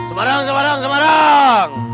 semarang semarang semarang